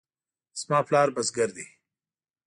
زما پلار بزګر دی